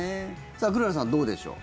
くららさん、どうでしょう